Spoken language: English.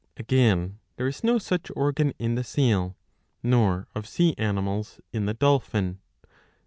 ^ Again there is no such organ in the seal, nor, of sea animals, in the dolphin.'